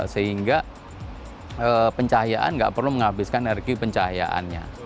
sehingga pencahayaan nggak perlu menghabiskan energi pencahayaannya